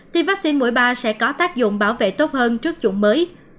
thì vaccine mũi ba sẽ có tác dụng bảo vệ tốt hơn trước chủng mới